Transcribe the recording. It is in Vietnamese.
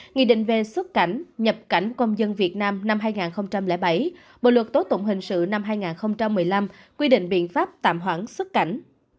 nghị định về xuất cảnh nhập cảnh công dân việt nam năm hai nghìn bảy bộ luật tố tụng hình sự năm hai nghìn một mươi năm quy định biện pháp tạm hoãn xuất cảnh